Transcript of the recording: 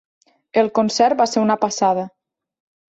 El concert va ser una passada.